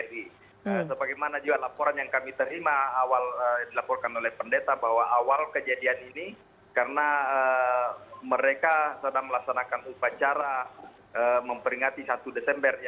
jadi bagaimana juga laporan yang kami terima dilaporkan oleh pendeta bahwa awal kejadian ini karena mereka sedang melaksanakan upacara memperingati satu desember